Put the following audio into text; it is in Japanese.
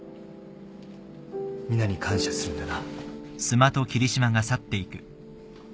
皆に感謝するんだな。